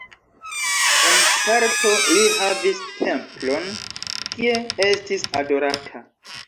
En Sparto li havis templon, kie estis adorata.